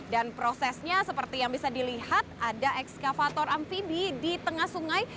dan prosesnya seperti yang bisa dilihat ada ekskavator amfibi di tengah sungai